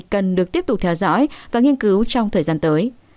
cần được tiếp tục theo dõi và nghiên cứu trong thời gian tới